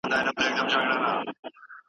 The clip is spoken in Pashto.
ولې د خلکو د هویت سپکاوی مه کوې؟